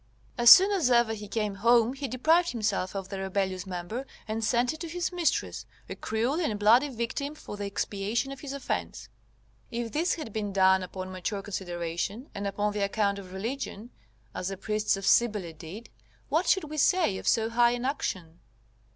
] as soon as ever he came home he deprived himself of the rebellious member, and sent it to his mistress, a cruel and bloody victim for the expiation of his offence. If this had been done upon mature consideration, and upon the account of religion, as the priests of Cybele did, what should we say of so high an action?